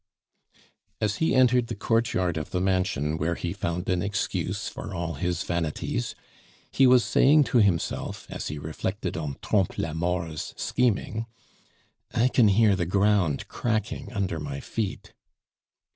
As he entered the courtyard of the mansion where he found an excuse for all his vanities, he was saying to himself as he reflected on Trompe la Mort's scheming: "I can hear the ground cracking under my feet!"